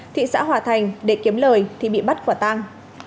thị xã hòa thành để kiếm lời thì bị bắt và tăng